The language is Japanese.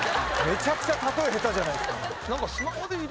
めちゃくちゃ例え下手じゃないですか。